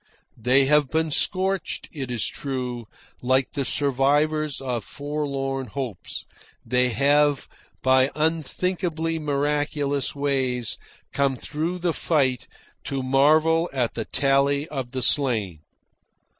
They have been scorched, it is true; like the survivors of forlorn hopes, they have by unthinkably miraculous ways come through the fight to marvel at the tally of the slain.